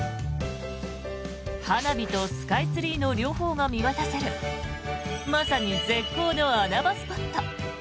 花火とスカイツリーの両方が見渡せるまさに絶好の穴場スポット。